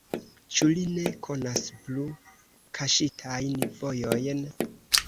Ĉu li ne konas plu kaŝitajn vojojn?